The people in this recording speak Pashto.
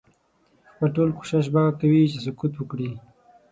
خپل ټول کوښښ به کوي چې سقوط وکړي.